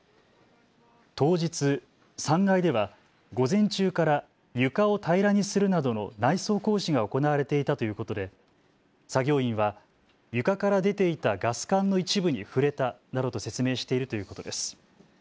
当日、３階では午前中から床を平らにするなどの内装工事が行われていたということで作業員は床から出ていたガス管の一部に触れたなどと説明しているということです。